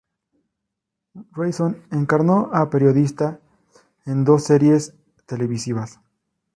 Reason encarnó a periodistas en dos series televisivas.